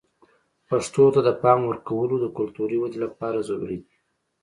پښتو ته د پام ورکول د کلتوري ودې لپاره ضروري دي.